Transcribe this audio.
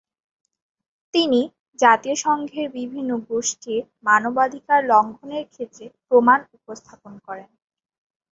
তিনি জাতিসংঘের বিভিন্ন গোষ্ঠীর মানবাধিকার লঙ্ঘনের ক্ষেত্রে প্রমাণ উপস্থাপন করেন।